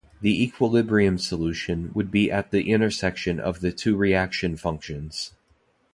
The equilibrium solution would be at the intersection of the two reaction functions.